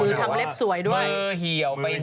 โอลี่คัมรี่ยากที่ใครจะตามทันโอลี่คัมรี่ยากที่ใครจะตามทัน